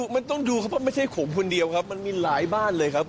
มันต้องดูครับว่าไม่ใช่ผมคนเดียวครับมันมีหลายบ้านเลยครับ